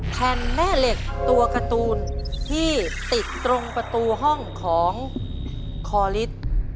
แผ่นแม่เหล็กตัวการ์ตูนที่ติดตรงประตูห้องของคอลิส